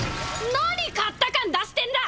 何勝った感出してんだ！